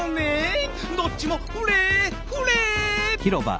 どっちもフレーフレー！